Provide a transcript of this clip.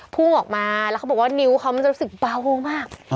พุ่งออกมาแล้วเขาบอกว่านิ้วเขามันจะรู้สึกเบามาก